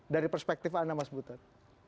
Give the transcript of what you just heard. dari perspektif anda mas butet